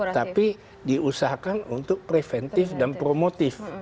tapi diusahakan untuk preventif dan promotif